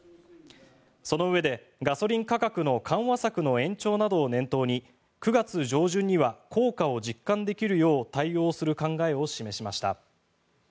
そのうえで、ガソリン価格の緩和策の延長などを念頭に９月上旬には効果を実感できるよう対応する考えを示しました。